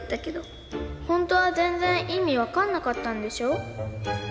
本当は全然意味分かんなかったんでしょ？